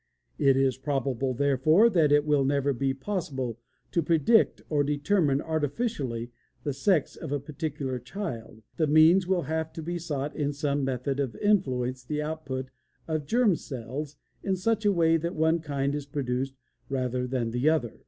It is probable, therefore, that if it will ever be possible to predict or determine artificially the sex of a particular child, the means will have to be sought in some method of influencing the output of germ cells in such a way that one kind is produced rather than the other.